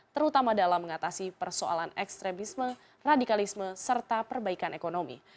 terutama dalam mengatasi persoalan ekstremisme radikalisme serta perbaikan ekonomi